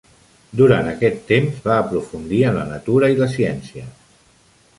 Durant aquest temps, va aprofundir en la natura i la ciència.